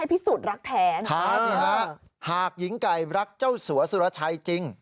พิสูจน์รักแท้นะคะหากหญิงไก่รักเจ้าสัวสุรชัยจริง